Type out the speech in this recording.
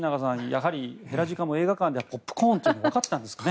やはりヘラジカも映画館でポップコーンというのをわかってたんですかね。